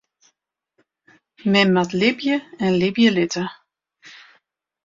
Men moat libje en libje litte.